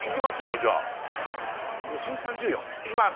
じゃあ１３１４いきます